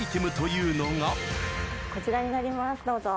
こちらになりますどうぞ。